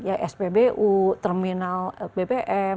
ya sbbu terminal bbm